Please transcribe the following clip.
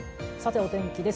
お天気です。